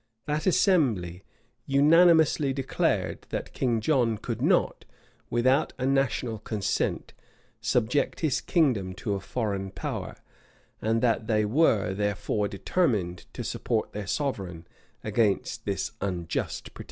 That assembly unanimously declared, that King John could not, without a national consent, subject his kingdom to a foreign power; and that they were therefore determined to support their sovereign against this unjust pretension.